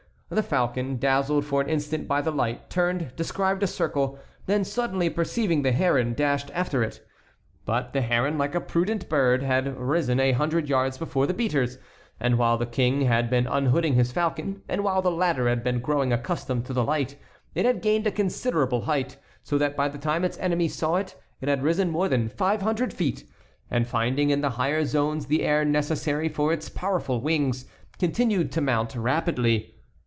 The falcon, dazzled for an instant by the light, turned, described a circle, then suddenly perceiving the heron, dashed after it. But the heron, like a prudent bird, had risen a hundred yards before the beaters, and while the King had been unhooding his falcon, and while the latter had been growing accustomed to the light, it had gained a considerable height, so that by the time its enemy saw it, it had risen more than five hundred feet, and finding in the higher zones the air necessary for its powerful wings, continued to mount rapidly.